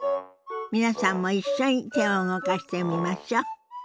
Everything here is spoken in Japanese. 皆さんも一緒に手を動かしてみましょ。